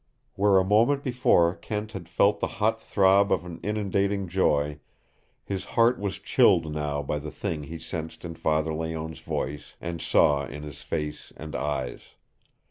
Where a moment before Kent had felt the hot throb of an inundating joy, his heart was chilled now by the thing he sensed in Father Layonne's voice and saw in his face and eyes.